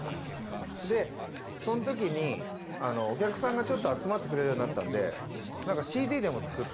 でそのときにお客さんがちょっと集まってくれるようになったんで。